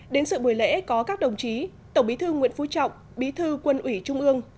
đến sự buổi lễ có các đồng chí tổng bí thư nguyễn phú trọng bí thư quân ủy trung ương